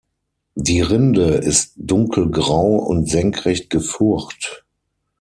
Die Rinde ist dunkelgrau und senkrecht gefurcht.